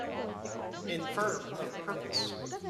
Infirm of purpose